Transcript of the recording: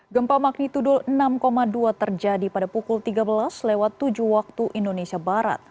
gempa magnitudo enam dua terjadi pada pukul tiga belas tujuh waktu indonesia barat